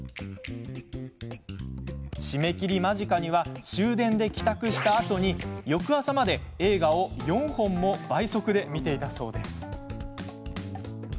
締め切り間近には終電で帰宅したあとに翌朝まで、映画を４本も倍速で見ていたそうです。